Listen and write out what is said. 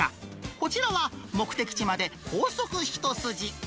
こちらは、目的地まで高速一筋。